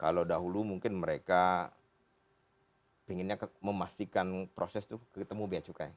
kalau dahulu mungkin mereka inginnya memastikan proses itu ketemu biaya cukai